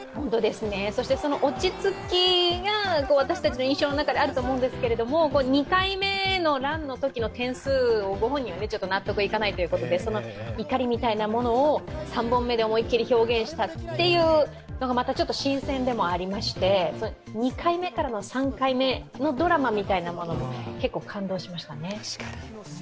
その落ち着きが私たちの印象の中であると思うんですけれども、２回目のランのときの点数をご本人は納得いかないということでその怒りみたいなものを３本目で思い切り表現したというのが、またちょっと新鮮でもありまして、２回目からの３回目のドラマみたいなものも、結構感動しましたね。